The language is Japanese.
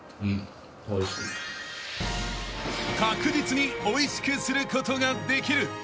［確実においしくすることができる］